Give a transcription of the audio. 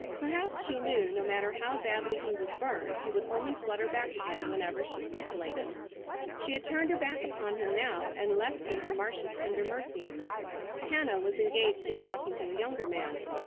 Perhaps she knew, no matter how badly he was burned he would only flutter back again whenever she scintillated. She had turned her back upon him now, and left him to Marcia's tender mercies. Hannah was engaged in talking to a younger man.